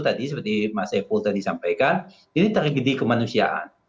tadi seperti mas epo tadi sampaikan ini tergidi kemanusiaan